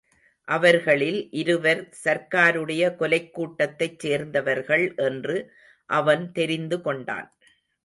அவர்களில் இருவர் சர்க்காருடைய கொலைக் கூட்டத்தைச் சேர்ந்தவர்கள் என்று அவன் தெரிந்து கொண்டான்.